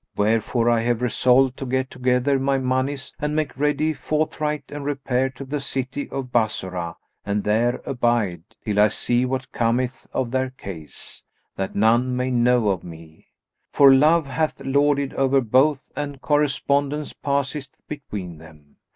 Wherefore I have resolved to get together my monies and make ready forthright and repair to the city of Bassorah and there abide, till I see what cometh of their case, that none may know of me; for love hath lorded over both and correspondence passeth between them.